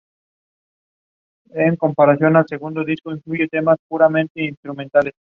Hoy ya desaparecido, estaba ubicado en en el Desierto de Atacama.